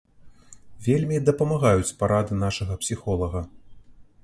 Вельмі дапамагаюць парады нашага псіхолага.